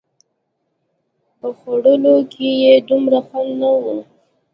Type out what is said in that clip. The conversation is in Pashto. په خوړلو کښې يې دومره خوند نه و.